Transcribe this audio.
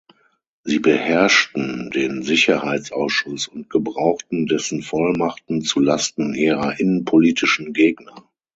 Sie beherrschten den Sicherheitsausschuss und gebrauchten dessen Vollmachten zu Lasten ihrer innenpolitischen Gegner.